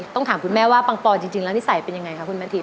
ถามคุณแม่ว่าปังปอนจริงแล้วนิสัยเป็นยังไงคะคุณแม่ทิม